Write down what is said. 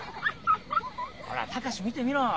ほら孝見てみろ。